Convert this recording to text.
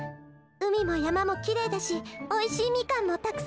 うみもやまもきれいだしおいしいみかんもたく。